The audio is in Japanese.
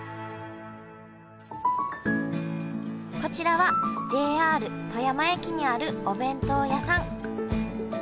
こちらはＪＲ富山駅にあるお弁当屋さん。